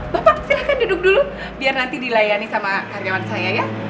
bapak silahkan duduk dulu biar nanti dilayani sama karyawan saya ya